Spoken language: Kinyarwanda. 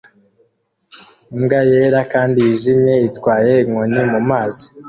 Imbwa yera kandi yijimye itwaye inkoni mumazi